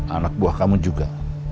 anak buah kamu juga